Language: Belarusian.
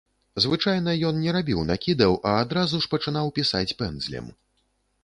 Звычайна ён не рабіў накідаў, а адразу ж пачынаў пісаць пэндзлем.